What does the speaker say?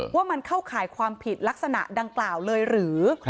ว่ามันเข้าข่ายความผิดลักษณะดังกล่าวเลยหรือ